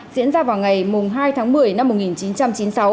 diễn ra vào ngày hai tháng một mươi năm một nghìn chín trăm chín mươi sáu